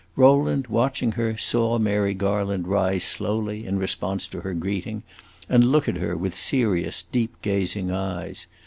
Rowland, watching her, saw Mary Garland rise slowly, in response to her greeting, and look at her with serious deep gazing eyes.